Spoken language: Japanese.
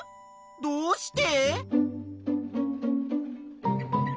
どうして？